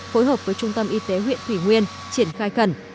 phối hợp với trung tâm y tế huyện thủy nguyên triển khai khẩn